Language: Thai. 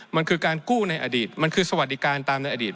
มันคือการกู้ในอดีตมันคือสวัสดิการตามในอดีต